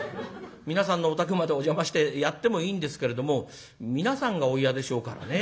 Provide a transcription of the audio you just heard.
皆さんのお宅までお邪魔してやってもいいんですけれども皆さんがお嫌でしょうからね。